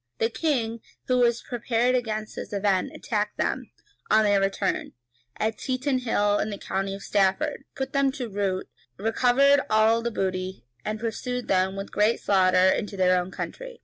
The king, who was prepared against this event, attacked them, on their return, at Tetenhall in the county of Stafford, put them to rout, recovered all the booty, and pursued them with great slaughter into their own country.